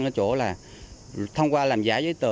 nó chỗ là thông qua làm giả giấy tờ